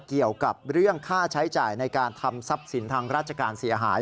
เกี่ยวกับเรื่องค่าใช้จ่ายในการทำทรัพย์สินทางราชการเสียหาย